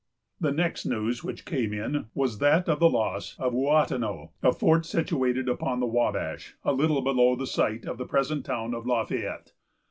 The next news which came in was that of the loss of Ouatanon, a fort situated upon the Wabash, a little below the site of the present town of La Fayette.